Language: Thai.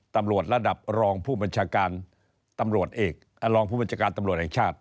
ตำรวจระดับรองผู้บัญชาการตำรวจเอกรองผู้บัญชาการตำรวจแห่งชาติ